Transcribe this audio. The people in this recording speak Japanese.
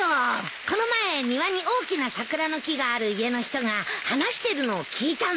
この前庭に大きな桜の木がある家の人が話してるのを聞いたんだ。